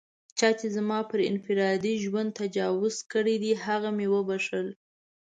چا چې زما پر انفرادي ژوند تجاوز کړی دی، هغه مې و بښل.